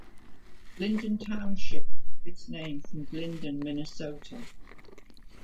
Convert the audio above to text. Glyndon Township took its name from Glyndon, Minnesota.